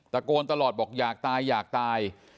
ตะโกนตลอดบอกอยากตายอยากตาย